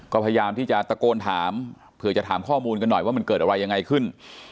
ก็พยายามที่จะตะโกนถามเผื่อจะถามข้อมูลกันหน่อยว่ามันเกิดอะไรยังไงขึ้น